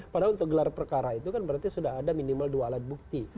padahal untuk gelar perkara itu kan berarti sudah ada minimal dua alat bukti